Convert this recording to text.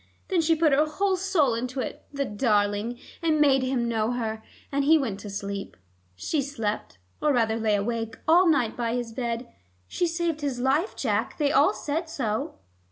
Then she put her whole soul into it, the darling, and made him know her, and he went to sleep. She slept, or rather lay awake, all night by his bed. She saved his life, Jack; they all said so."